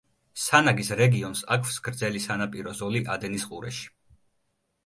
სანაგის რეგიონს აქვს გრძელი სანაპირო ზოლი ადენის ყურეში.